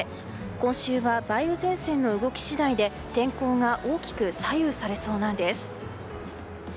今週は梅雨前線の動き次第で天候が大きく左右されそうなんです。